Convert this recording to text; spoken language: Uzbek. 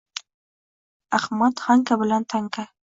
Ahmad, Xanka bilan Tanka